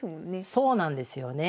そうなんですよね。